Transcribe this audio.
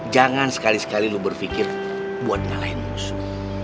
jangan sekali sekali lu berpikir buat ngalahin musuh